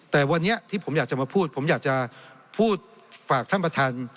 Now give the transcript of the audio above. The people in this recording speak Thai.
แต่วันนี้ที่ผมอยากจะมาพูดผมอยากจะพูดฝากท่านประธาน